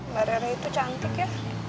mbak rare itu cantik ya